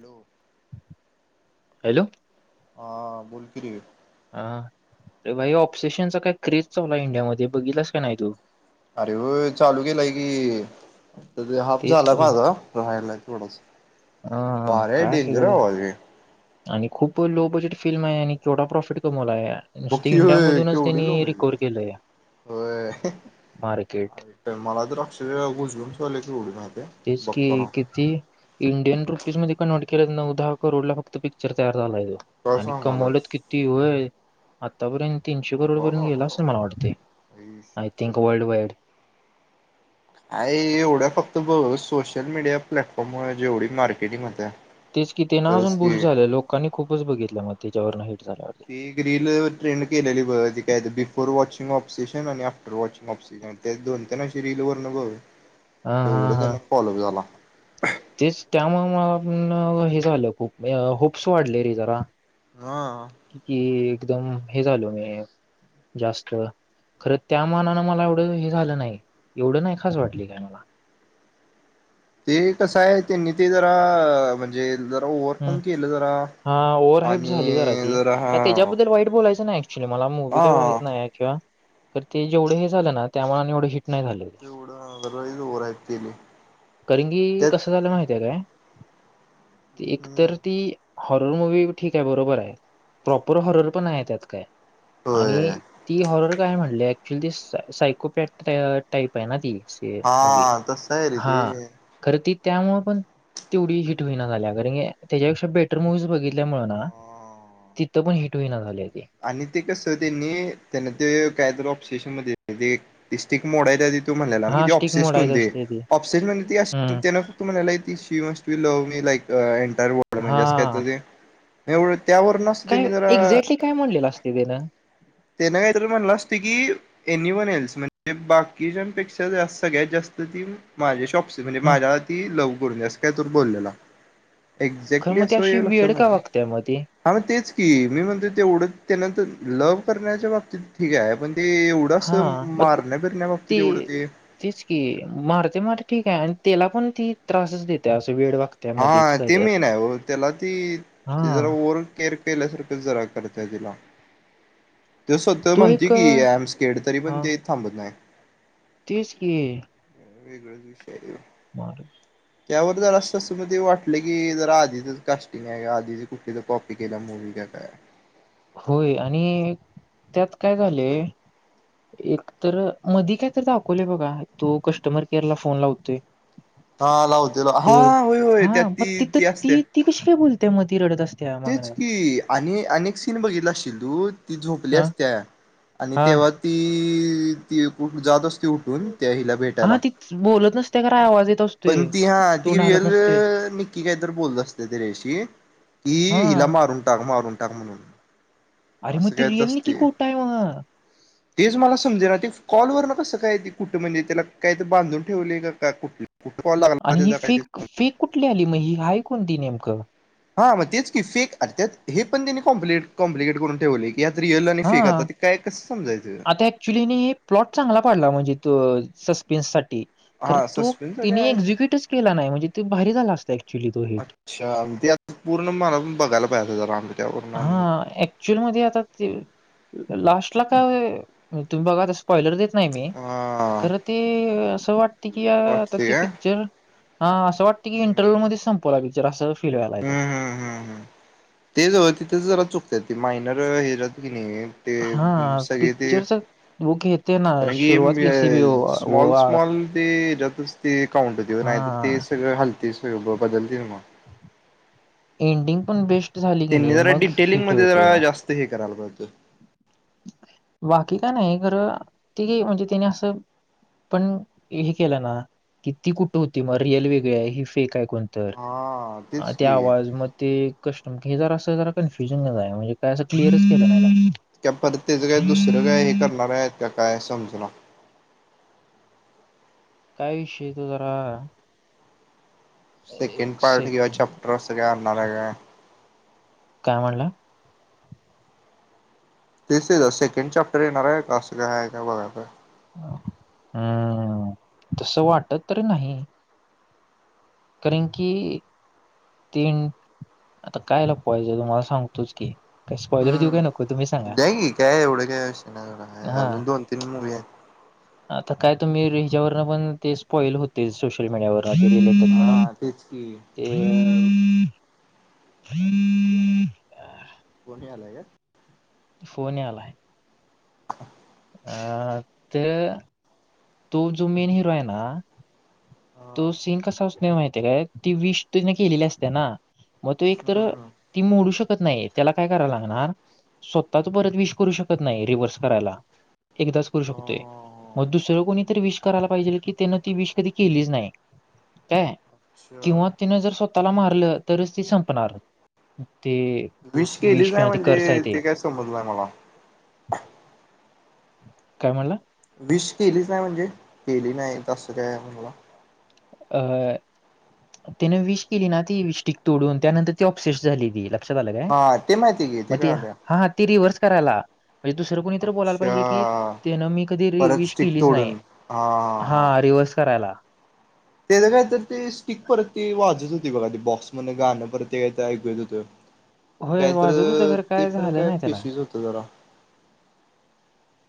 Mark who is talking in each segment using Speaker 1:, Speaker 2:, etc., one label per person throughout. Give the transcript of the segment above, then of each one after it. Speaker 1: Hello!
Speaker 2: Hello!
Speaker 1: हा बोल की रे?
Speaker 2: हा भाई ऑप्सिशनचा काय क्रेज चावला इंडियामध्ये बघितलासं का नाही तू?
Speaker 1: अरे हो चालू केलाय की. त हाफ
Speaker 2: तेच
Speaker 1: झाला
Speaker 2: की
Speaker 1: माझा राहायला थोडसं
Speaker 2: हा
Speaker 1: वारे
Speaker 2: काय
Speaker 1: डेंजरजे
Speaker 2: सगळं
Speaker 1: बाबा हॆ.
Speaker 2: आणि खूप लो बजेट फिल्म आहे आणि केवढा प्रॉफिट कमवला या.
Speaker 1: बाकी हो क उडल मजला
Speaker 2: केलंय
Speaker 1: हो
Speaker 2: मार्केट
Speaker 1: [unintelligible] मला तर अक्षर घुसगुूनचले की उडून [inaudible]
Speaker 2: तेचं कि. ती इंडियन रुपीज मध्ये कन्वर्ट केले नऊ दहा करोड ला फक्त पिक्चर तयार झाला आहे तो.
Speaker 1: काय
Speaker 2: आणि कमवलंच
Speaker 1: सांगायलास
Speaker 2: किती होय? आतापर्यंत तीनशे करोडपर्यंत गेला असेल मला वाटतते I think world wide [inaudible]
Speaker 1: I एवढ्या फक्त बघ सोशल मीडिया प्लॅटफॉर्ममुळे जेवढी मार्केटिंगमध्ये.
Speaker 2: तेचं की ते ना अजून बुष्ट झालेलं लोकांनी खूपच बघितलं मग त्याच्यावरं हिट झाल्यावर.
Speaker 1: ती एक रील ट्रेंड केलेली त काय बिफोर वॉचिंग ऑफ सेशन आणि आफ्टर वॉचिंग ऑफ सेशन. तेच दोन तन अशी रील वर्ण बघ.
Speaker 2: ह हा हा.
Speaker 1: [unintelligible]
Speaker 2: तेच त्यामूळ म [unintelligible] हे झालं खूप होप्स वाढले रे जरा.
Speaker 1: हा
Speaker 2: कि एकदम हे झाल म जास्त खरं त्या मानानं मला एवढं हे झालं नाही. एवढं नाही खास वाटली काय मला.
Speaker 1: ते कसं आय ते नीती जरा म्हणजे जरा ओवर
Speaker 2: हम्
Speaker 1: पण केलं जरा.
Speaker 2: हा ओव्हरहाईट
Speaker 1: आणि
Speaker 2: झाली जरा ती, काय त्याच्याबद्दल वाईट बोलायच नाय. [unintelligible] मला मूवी्ही काय माहीत
Speaker 1: हा
Speaker 2: नाय का, तर ते जेवढे झालं ना त्यामुळे आणि एवढे हिट नाही झाले.
Speaker 1: तेवढं जरा लईच ओव्हर ऍक्ट केली
Speaker 2: कारणं की
Speaker 1: त्यात
Speaker 2: कस झालं माहितेय काय.
Speaker 1: हम्म
Speaker 2: एकतर ती हॉरर मूवी ठीक आहे बरोबर आहे प्रॉपर हॉरर पण नाय त्यात काय.
Speaker 1: होय
Speaker 2: आणि ती हॉरर काय म्हणली ऍक्च्युल ती सायकोपॅट टाईप आहे ना ती मूवी
Speaker 1: हा तसं आहे रे
Speaker 2: हा.
Speaker 1: ते
Speaker 2: खरं ती त्यामुळेळ पण तेवढी हिट होईना झाल्या. [unintelligible] त्याच्यापेक्षा बेटर मुव्हीज बघितल्यामुळ ना, तिथं पण हिट होईना झाल्या ती.
Speaker 1: आणि ते कस त्यांनी त्यांना ते [unintelligible] तो म्हणाला
Speaker 2: हा स्टिक
Speaker 1: ऑक्सेिस्ट होऊ
Speaker 2: मोडायचं
Speaker 1: दे
Speaker 2: असते ती
Speaker 1: ऑपसिस्ट म्हण ती त्या
Speaker 2: हम्म
Speaker 1: [unintelligible] त म्हणाला की श musty love me like entire world म्हणजे
Speaker 2: हा
Speaker 1: अस कायं ते एवढ त्यावरन [unintelligible]
Speaker 2: काय एक्झॅक्टली काय म्हणलेलं असतयं वेदान.
Speaker 1: ते नायतर म्हणलं असते की एनी वन एल्स म्हणजे बाकीच्यांपेक्षा सगळ्यात जास्त ती माझे शॉप [unintelligible]
Speaker 2: हम्म
Speaker 1: माझ्यावर ती लव करून असं काय तर बोललेला.
Speaker 2: खरं
Speaker 1: एक्झॅक्टली
Speaker 2: मग ती
Speaker 1: असं
Speaker 2: अशी
Speaker 1: वय लक्षात
Speaker 2: वेड का
Speaker 1: आल.
Speaker 2: वागते मग ती
Speaker 1: अव तेच की मी म्हणतो तेवढं त्यानंतर लव करण्याच्या बाबतीत ठीक आहे. पण ते एवढं
Speaker 2: हा
Speaker 1: असं
Speaker 2: मग
Speaker 1: मारण्या बीरण्या बाबती हेवढ ते
Speaker 2: तेच की मारते मारते ठीक आहे आणि तेला पण ती त्रासच देते. असं वेड वाक
Speaker 1: हा ते मेन हाय वो, त्याला ती जरा
Speaker 2: हा
Speaker 1: ओर केअर पहिल्यासारखं जरा करतय तिला. ते स्वता
Speaker 2: तो
Speaker 1: म्हणतेय
Speaker 2: एक
Speaker 1: की एम स्केड तरी पण
Speaker 2: हा
Speaker 1: ते थांबत नाय.
Speaker 2: तेच की.
Speaker 1: वेगळाच विषय आहे.
Speaker 2: [unintelligible]
Speaker 1: त्यावर जर असं असं म ते वाटलं की जरा आधीच कास्टिंग आहे आधीच कुठल कॉपी केल्यामुळ होईल का काय
Speaker 2: होय आणि त्यात काय झालय. एक तर मधी कायतर दाखवलं बघा, तो कस्टमर केअरला फोन लावतोय.
Speaker 1: हा लावतोय
Speaker 2: ते
Speaker 1: हा
Speaker 2: बघ-
Speaker 1: होय होय त्यात
Speaker 2: हा मग
Speaker 1: ती
Speaker 2: तिथं
Speaker 1: ती असते.
Speaker 2: ती कशी काय बोलते म रडत असतय.
Speaker 1: तेच की आणि आणि एक सीन बघितला अशिल तू ती झोपली
Speaker 2: हा
Speaker 1: असत्या, आणि
Speaker 2: हा
Speaker 1: तेव्हा ती उठून जात असतय उठ
Speaker 2: हा तीच बोलत नसते काराय आवाज येत असतो.
Speaker 1: पण ती हा ती रिअल अ नक्की काही तर बोलत असते तिज्याशी की
Speaker 2: हा
Speaker 1: हिला मारुण टाक मारूण टाक म्हणून
Speaker 2: अरे म
Speaker 1: असं
Speaker 2: ती
Speaker 1: कायच
Speaker 2: रियल नीक्की
Speaker 1: असते
Speaker 2: कुठंय म
Speaker 1: तेच मला समजे ना ते कॉलवर ना कसं काय ती कुठं म्हणजे त्याला काय तर बांधून ठेवले का कुठल. कुठं काॅल लागला ना
Speaker 2: आणि ही
Speaker 1: त्याचा काय ते
Speaker 2: फेक
Speaker 1: कळेना
Speaker 2: फेक कुठली आली मग ही आहेय कोणती नेमकं
Speaker 1: हां मग तेच की फिक त्यात हे पण त्यांनी कॉम्प्लिकेट-कॉम्प्लिकेट करून ठेवलेय. यात रिअल आणि फेक आता ते काय कसं समजायचं.
Speaker 2: क्च्युली ने प्लॉट चांगला पाडला म्हणजे तो सस्पेन्स साठी. खरं
Speaker 1: हा
Speaker 2: तु
Speaker 1: सस्पेन्स काय
Speaker 2: तिने
Speaker 1: आहे सर
Speaker 2: एक्झिक्युटच केला नाही म्हणजे ते बाहेर झाला असता की ऍक्च्युली तो हिट
Speaker 1: अच्छा! [unintelligible] आणि
Speaker 2: हा ऍक्च्युअल मध्ये आता ते लास्टला काय तुम्ही बघत असतं स्पॉईलर देत नाही मी
Speaker 1: हा
Speaker 2: खरं ते असं वाटते की आता
Speaker 1: वाटते
Speaker 2: ते
Speaker 1: काय
Speaker 2: पिक्चर हा असं वाटते की
Speaker 1: हम्म
Speaker 2: इंटरव्ह्यूमध्ये संपवला पिक्चर असं फील व्हायलाय
Speaker 1: हम्
Speaker 2: तो.
Speaker 1: हम्म हम् हम, तेच ओ तिथंच जरा चुकत्यात ती मायनर हे जात की नाही ते
Speaker 2: हां,
Speaker 1: सगळे ते
Speaker 2: पिक्चरचा वो घेते ना
Speaker 1: रंगी
Speaker 2: सुरुवात कैसी भी
Speaker 1: मिळेल
Speaker 2: हो, वो
Speaker 1: स्मॉल
Speaker 2: आ
Speaker 1: स्मॉल ते [unintelligible] ते काउंटऊन नाही तर ते
Speaker 2: हां,
Speaker 1: सगळं हालतील सगळं बदलतील मंग
Speaker 2: एंडिंग पण बेस्ट झाली की नाही मग हिट होतोय.
Speaker 1: ते हे करायला पाहिजे होतं.
Speaker 2: बाकी काय नाही खरं ते म्हणजे त्यानी असं पण हे केलं ना की ती कुठं होती मग रिअल वेगळी आहे ही फेक आहे कोण तर,
Speaker 1: हा तेच की
Speaker 2: त्या आवाज म ते कष्ट हे जरा असं जरा कन्फ्युजनच आहे काय असं क्लिअरच केलं नाही
Speaker 1: त्या परत तेच काय दुसरं काय हे करणार आहेत का काय समजना.
Speaker 2: काय विषय तो जरा
Speaker 1: सेकंड
Speaker 2: एक
Speaker 1: पार्ट किंवा
Speaker 2: सेकंड
Speaker 1: चॅप्टर असं काय आणणार आहे काय?
Speaker 2: काय म्हणला?
Speaker 1: ते स-सेकंड चॅप्टर येणार आहे का असं काय हाय का बघायं पाहिजे.
Speaker 2: हम्, तसं वाटत तरी नाही. कारण की तीन, आता काय लपवायच तुम्हाला सांगतोच की काय स्पॉइलर देऊ
Speaker 1: हम्,
Speaker 2: काय नको तुम्ही सांगा
Speaker 1: द्या की काय एवढं काय विषय नाही सोडा
Speaker 2: हा
Speaker 1: अजून दोन-तीन मुवी आहेत.
Speaker 2: आता काय तुम्ही री हिच्यावरनं पण ते स्पॉइल होतेच सोशल मीडियावर [unintelligible]
Speaker 1: हा तेच की.
Speaker 2: [unintelligible]
Speaker 1: कोणी आलाय काय?
Speaker 2: फोन यायलाय.
Speaker 1: [inaudible]
Speaker 2: अ ते तो जो मेन हिरो आहे ना,
Speaker 1: हा.
Speaker 2: तो सिन कसा असतोय माहितीय काय ती विश तिने केलेली असते ना, मग तो एक तर
Speaker 1: हम्म.
Speaker 2: ती मोडू शकत नाही त्याला काय कराव लागणार. स्वतः च परत विश करू शकत नाही रिव्हर्स करायला. एकदाच करू
Speaker 1: हा
Speaker 2: शकतोय,
Speaker 1: हा
Speaker 2: मग दुसरं कोणीतरी विश करायला पाहिजे की त्यानं ती विश कधी केलीच नाही, काय
Speaker 1: हा अच्छा.
Speaker 2: किंवा तिने जर स्व त्याला मारलं तरचं ती संपणार, ते
Speaker 1: विश
Speaker 2: विष
Speaker 1: केलीचाय
Speaker 2: किंवा ते कर्स आहे
Speaker 1: म्हणजे ते काय समजलंय नाही मला.
Speaker 2: काय म्हणला?
Speaker 1: वीश केलीच नाही म्हणजे? केली नाही [unintelligible] त्यामुळे
Speaker 2: [inaudible] तिनं विश केली ना ती विश स्टिक तोडून, त्यानंतर ती ऑपसेस झाली ती. लक्षात आलं काय?
Speaker 1: हा ते माहिती की ते
Speaker 2: मग ती
Speaker 1: कळालं.
Speaker 2: हा हा ती रिव्हर्स करायला. म्हणजे दुसरं कोणीतर बोलायला पाहिजे की,
Speaker 1: अच्छा
Speaker 2: त्यान मी कधी री
Speaker 1: परत
Speaker 2: विश
Speaker 1: स्टिक
Speaker 2: केलीच नाही.
Speaker 1: तोडून हा
Speaker 2: हा रिव्हर्स करायला
Speaker 1: त्याच काय तरी ती स्टिक परत ती वाजत होती बघा ती बॉक्स मधन गाणं परत ते काय ऐकु येत होतं.
Speaker 2: होय
Speaker 1: काय
Speaker 2: वाजतं होतं खर काय झालं नाही त्याला.
Speaker 1: तो वेडा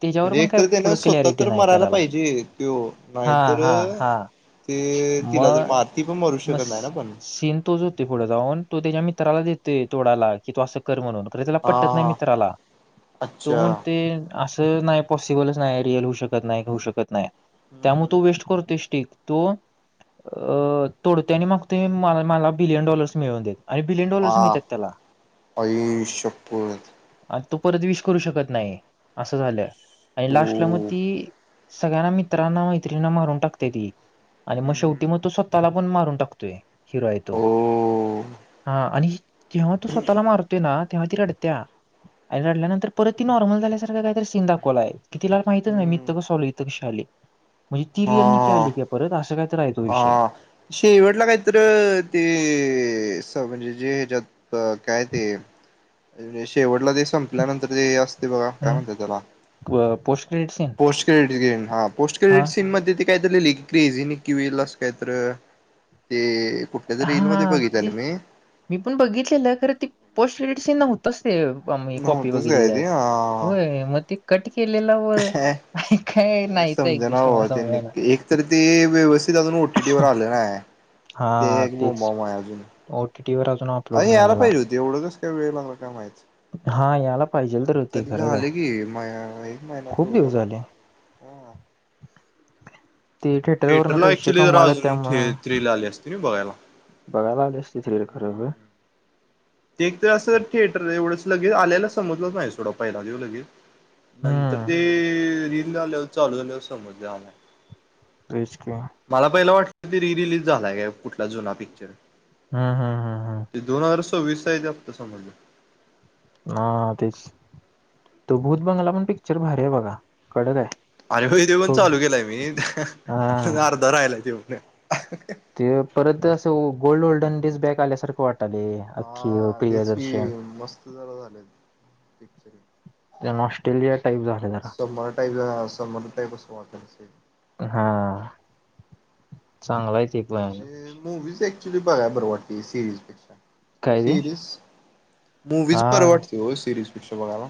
Speaker 2: त्याच्यावर
Speaker 1: म्हणजे
Speaker 2: पण काय
Speaker 1: एकतरी त्यानं
Speaker 2: पुढं
Speaker 1: स्वतः
Speaker 2: क्लॅरिटी
Speaker 1: तर
Speaker 2: नाही
Speaker 1: मरायला
Speaker 2: करायला
Speaker 1: पाहिजे त्यो,
Speaker 2: हा
Speaker 1: नाहीतर
Speaker 2: हा हा
Speaker 1: ते तिला जर
Speaker 2: मग
Speaker 1: मारती, ती पण मरू
Speaker 2: मग
Speaker 1: शकतं नाही ना पण.
Speaker 2: सीन तोच जातंय पुढं जाऊन तो त्याच्या मित्राला देतं तोडाला की तु असं कर म्हणून खर त्याला
Speaker 1: हा
Speaker 2: पटतं नाही
Speaker 1: हा
Speaker 2: मित्राला, तो
Speaker 1: अच्छा.
Speaker 2: म्हणतंय असं नाही पॉसिबलच नाही रिअल होऊ शकत नाही, होऊ शकत नाही,
Speaker 1: हम्म
Speaker 2: त्यामुळे
Speaker 1: हम्म.
Speaker 2: तो वेस्ट फोडतोय स्टीक, तो अ तोडते आणि मग ते मला, मला बिलियन डॉलर्स मिळवून देतं. आणि बिलियन डॉलर्स
Speaker 1: वा
Speaker 2: मिळतात त्याला.
Speaker 1: आई शप्पथ
Speaker 2: आणि तो परत विश करू शकत नाही, असं झालं आणि लास्टला मग
Speaker 1: ओ.
Speaker 2: ती सगळ्यांना मित्रांना मैत्रीणींना मारून टाकत्या ती, आणि मग
Speaker 1: हम्म
Speaker 2: शेवटी
Speaker 1: हम्म.
Speaker 2: मग तो स्वतः स्वतःला पण मारून टाकतोय, हिरो हाय तो.
Speaker 1: ओ.
Speaker 2: हा आणि, जेव्हा तो स्वतःला मारतोय ना तेव्हा ती रडत्या. आणि रडल्यानंतर परत ती नॉर्मल झाल्यासारखं काहीतरी सीन दाखवलाय. की तिला माहितच नाही मी
Speaker 1: हम्म.
Speaker 2: इथं कस आलोय इथं कशी आलीय, म्हणजे ती रियल नी की
Speaker 1: हा.
Speaker 2: आली काय परत असं काय तर हाय.
Speaker 1: हा, शेवटला काहीतर ते म्हणजे जे ह्याच्यात अ काय ते, शेवटला जे संपल्यानंतर जे असतय बघा काय
Speaker 2: हम्म.
Speaker 1: म्हणतात त्याला?
Speaker 2: Post credit scene
Speaker 1: post credit scene हा. पोस्ट
Speaker 2: हा
Speaker 1: क्रेडिट सीन मध्ये ते काय तर लिहलंय की क्रेझी निकी वील असं काय तर, ते कुठ त्याचं रील मध्ये
Speaker 2: हा
Speaker 1: बघितलंय
Speaker 2: ते
Speaker 1: मी.
Speaker 2: मी पण बघितलेलं खर ती पोस्ट क्रेडिट सीन नव्हती. तस आम्ही कॉपी
Speaker 1: नव्हतंच
Speaker 2: बघितली
Speaker 1: काय
Speaker 2: त्यात,
Speaker 1: ते हा
Speaker 2: होय मग ते कट केलेला व,
Speaker 1: काय
Speaker 2: काय नाहीच एक
Speaker 1: समजना
Speaker 2: [inaudible] मला
Speaker 1: बाबा त्यांनी
Speaker 2: समजाला.
Speaker 1: एक तर ते व्यवस्थित अजून ओटीटी वर आल नाही.
Speaker 2: हा तेच, ओटीटी वर अजून अपलोड नाही व्हायला.
Speaker 1: तेवढं कसं काय वेळ लागला काय माहित.
Speaker 2: हा यायला पाहिजेल.
Speaker 1: तरी झाले की म एक महिन्याच्या
Speaker 2: खूप
Speaker 1: वर
Speaker 2: दिवस
Speaker 1: झाला.
Speaker 2: झाले
Speaker 1: हा
Speaker 2: ते थिएटरवरनं
Speaker 1: थिएटरला
Speaker 2: पैसे
Speaker 1: ऍक्च्युली जरा
Speaker 2: कमवायला
Speaker 1: अजून
Speaker 2: त्यामुळं
Speaker 1: थ्रील आली असती ना बघायला.
Speaker 2: बघायला आली असती थ्रील खर होय.
Speaker 1: ते एक तर असं थिएटर एवढंच लगेच, आल्या-आल्या समजलंच नाही सोडा पहिला ह्यो लगेच. नंतर
Speaker 2: हम्म
Speaker 1: ते रील आल्यावर चालू झाल्यावर समजलंय आम्हाला.
Speaker 2: तेच की
Speaker 1: मला पहिलं वाटलं की रिरिलीज झालाय का कुठला जुना पिक्चर.
Speaker 2: हा हा हा
Speaker 1: ते दोन हजार सव्वीसचा हाय त्यात [inaudible]
Speaker 2: ह तेच, तो भूत बंगाला पण पिक्चर भारी आहे बघा कडक हाय.
Speaker 1: अरे होय ते पण चालू केलाय मी आणि
Speaker 2: हा
Speaker 1: अर्धा राहिला तो.
Speaker 2: ते परत असं गो-गोल्ड ओल्डन डेज बॅक आल्यासारखं वाटाले अख्खे
Speaker 1: हा तेच की
Speaker 2: प्रियदर्शन.
Speaker 1: [unintelligible]
Speaker 2: ज ऑस्ट्रेलिया टाईप झाल.
Speaker 1: सोमवार टाईप हा सोमवार टाईप असं वाटलं नसेल.
Speaker 2: हा चांगलाय ते. पण
Speaker 1: ते मूवीज ऍक्च्युली बघायां बरं वाटतय सिरीजपेक्षा.
Speaker 2: काय ते
Speaker 1: सिरीज मूवीज
Speaker 2: हा
Speaker 1: बर वाटते हो सिरीज पेक्षा बघायला.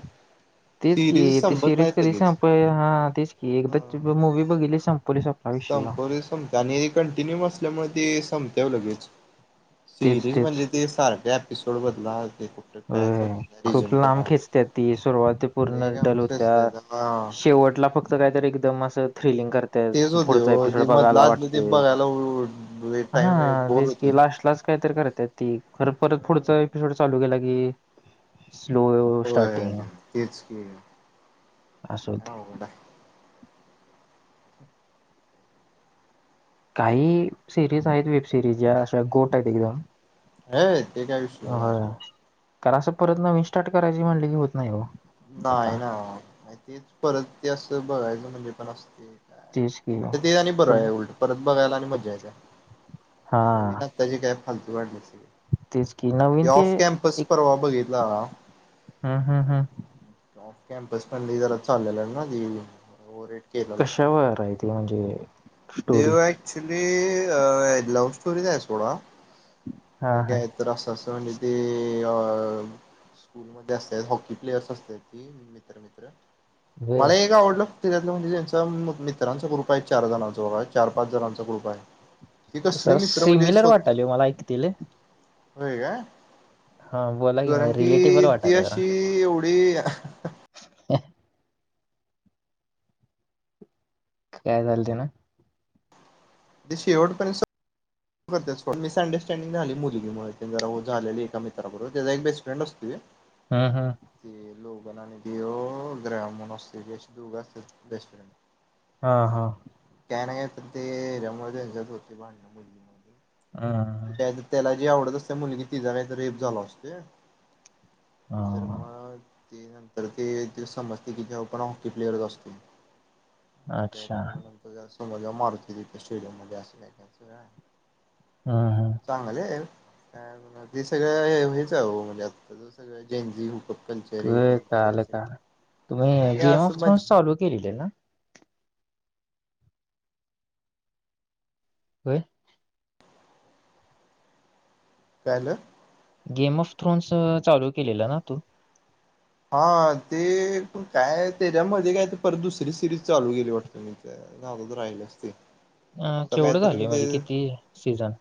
Speaker 2: तेच की
Speaker 1: सिरीज
Speaker 2: ते
Speaker 1: संपत
Speaker 2: सिरिज
Speaker 1: नाहीत
Speaker 2: कधी
Speaker 1: लगेच
Speaker 2: संपय, हा तेच की एकदाचं मूवी बघितली संपवली. विषय
Speaker 1: संपवली संपते आणि हे कंटिन्यू असल्यामुळे ती संपते वो लगेच.
Speaker 2: तेच
Speaker 1: सिरीज
Speaker 2: तेच
Speaker 1: म्हणजे ते सारख्या एपिसोड बदला. कुठे
Speaker 2: अ
Speaker 1: काय समजत नाही
Speaker 2: खूप
Speaker 1: रिझ्युम
Speaker 2: लांब
Speaker 1: करा
Speaker 2: खेचत्यां ती सुरुवाती
Speaker 1: लय काम
Speaker 2: पूर्णडल होत्या.
Speaker 1: असते हा
Speaker 2: शेवटला फक्त कायतरी एकदम असं थ्रिलिंग कर
Speaker 1: तेच
Speaker 2: त्यां
Speaker 1: होते
Speaker 2: पुढचा
Speaker 1: हो
Speaker 2: एपिसोड
Speaker 1: ते मधलं
Speaker 2: बघायला
Speaker 1: आधलं
Speaker 2: वाटते
Speaker 1: ते बघायला टाइम
Speaker 2: हं
Speaker 1: बोर
Speaker 2: हेच
Speaker 1: होते
Speaker 2: की लास्ट लाच कायतरी करत्यात ती खर परत पुढचा एपिसोड चालू केला की स्लो
Speaker 1: होय
Speaker 2: स्टार्टिंग
Speaker 1: तेच की
Speaker 2: आसं होतंय.
Speaker 1: अवघड आहे
Speaker 2: काही सिरीज आहेत वेब सिरीज ज्या अशा गोट आहेत एकदम.
Speaker 1: हे ते काही विशेष [unintelligible]
Speaker 2: कार असं परत नवीन स्टार्ट करायची म्हणली की होत नाही हो. आता.
Speaker 1: नाही ना तेच परत ते असं बघायचं म्हणजे पण असते.
Speaker 2: तेच की
Speaker 1: उलट ते आणि बरं आहे उलट परत बघायला आणि मज्जा येते
Speaker 2: हां,
Speaker 1: नवीन. आताची काय फालतू काढल्यात सिरीज
Speaker 2: तेच की
Speaker 1: ते
Speaker 2: नवीन
Speaker 1: ऑफ कॅम्पस परवा बघितला.
Speaker 2: हूं हूं हूं!
Speaker 1: ऑफ कॅम्पस पण लयी जरा चाललेला ना ती ओेव्हर रेट
Speaker 2: कशावर ऐकलं म्हणजे. स्टोरी?
Speaker 1: तेव ऍक्च्युली लव्ह स्टोरीज आहे सोडा.
Speaker 2: हां, हां.
Speaker 1: तर असं असं म्हणजे ते अ स्कूलमध्ये असत्यांत हॉकी प्लेअर्स असत्यांत ती. मित्र, मित्र
Speaker 2: बर
Speaker 1: मला एक आवडलं म्हणजे त्यांचा मित्रांचा ग्रुप आहे चार जणां दोघ आहे चार पाच जणांचा ग्रुप आहे ती तसली
Speaker 2: सर
Speaker 1: मित्र म्हणजे
Speaker 2: सिमिलर
Speaker 1: सो
Speaker 2: वाटाले मला ऐकतील.
Speaker 1: होय का
Speaker 2: हां, बोला की
Speaker 1: कारण
Speaker 2: मला रिलेटेबल
Speaker 1: की ती
Speaker 2: वाटाले जरा.
Speaker 1: अशी एव [unintelligible]
Speaker 2: [inaudible] काय झालते ना.
Speaker 1: ती शेवट पण सं [unintelligible] मिसअंडरस्टँडिंग झाली मुलगीमुळे तेन जरा झालेली एका मित्राबरोबर त्याचा एक बेस्टफ्रेंड असतोय.
Speaker 2: [inaudible]
Speaker 1: [unintelligible]
Speaker 2: हा हा!
Speaker 1: [unintelligible]
Speaker 2: हा!
Speaker 1: काय तर त्याला जी आवडत असते मुलगी तिचा काही तर रेप झाला असतोय. तर
Speaker 2: हम्म,
Speaker 1: मग ते नंतर ते ते समजते की जेव्हा पण हॉकी प्लेअरचं असतो.
Speaker 2: अच्छा
Speaker 1: [unintelligible]
Speaker 2: हा हा!
Speaker 1: चांगले आहे ते सगळं हेच अहो म्हणजे आताचं सगळ जेंजी हुक.
Speaker 2: व्हय काल का तुम्ही
Speaker 1: ते
Speaker 2: गेम
Speaker 1: असं
Speaker 2: ऑफ थ्रोन
Speaker 1: मजा
Speaker 2: चालू केलेले आहे ना? होय
Speaker 1: कायलं
Speaker 2: गेम ऑफ थ्रोन्सं चालू केलेलं ना तू
Speaker 1: हा ते पण काय त्याच्यामध्ये काय त परत दुसरी सिरीज चालू केेली वाटतं मी. [unintelligible] राहिलंच ते
Speaker 2: अं
Speaker 1: आता
Speaker 2: केवढं
Speaker 1: कायतरी मी
Speaker 2: झालंय
Speaker 1: ते
Speaker 2: म्हजे, किती सीझन?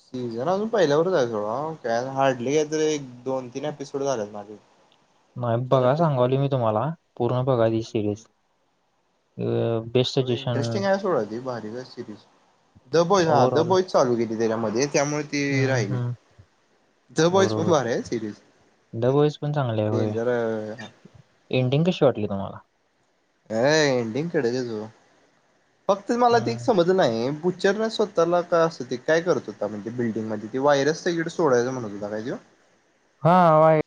Speaker 1: सीझन अजून पहिल्यावरच [unintelligible] हार्डली का तरी एक दोन तीन एपिसोड झालेत माझे
Speaker 2: नाई
Speaker 1: दोन चार
Speaker 2: बघा
Speaker 1: एपिसोड
Speaker 2: सांगावली मी तुम्हाला पूर्ण बघा ती
Speaker 1: हम्म.
Speaker 2: सिरीज अ
Speaker 1: इंटरेस्टिंग आहे सोडा ती भारीजाय सिरीज. द बॅईज हा द
Speaker 2: ओव्हरऑल
Speaker 1: बाॅईज चालू केली त्याच्यामध्ये त्यामुळे ती
Speaker 2: हम्म
Speaker 1: राहिली.
Speaker 2: हम्म
Speaker 1: द बाॅईज पण
Speaker 2: बरोबर
Speaker 1: भारीय सिरीज
Speaker 2: द बॉईज पण चांगले आहे होय
Speaker 1: डेंजर
Speaker 2: एंडिंग कशी वाटली तुम्हाला?
Speaker 1: अ एंडिंग कडेचोच ओ फक्त मला ते एक
Speaker 2: हम्म
Speaker 1: समज नाई बुच्चर न स्वत् -ताला काय असं ते काय करत होता म्हणजे बिल्डिंगमध्ये ती वायरस सगीकडे सोडायच म्हणत होता काय तो?
Speaker 2: हा वाय